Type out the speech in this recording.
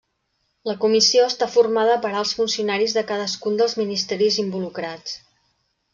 La comissió està formada per alts funcionaris de cadascun dels ministeris involucrats.